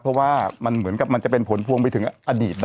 เพราะว่ามันเหมือนกับมันจะเป็นผลพวงไปถึงอดีตนะ